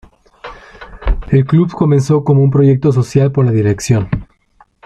El club comenzó como un proyecto social por la dirección.